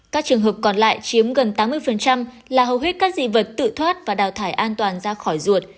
các trường hợp còn lại chiếm gần tám mươi là hầu hết các dị vật tự thoát và đào thải an toàn ra khỏi ruột